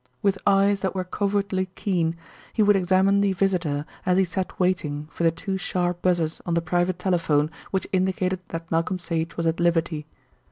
With eyes that were covertly keen, he would examine the visitor as he sat waiting for the two sharp buzzes on the private telephone which indicated that Malcolm Sage was at liberty.